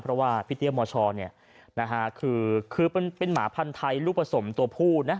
เพราะว่าพี่เตี้ยมชเนี่ยนะฮะคือคือมันเป็นหมาพันธุ์ไทยรูปสมตัวผู้นะ